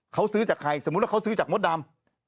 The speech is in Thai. เขาซื้อจากใครสมมุติว่าเขาซื้อจากมดดำ